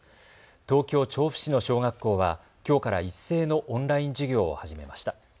東京調布市の小学校は、きょうから一斉のオンライン授業を始めました。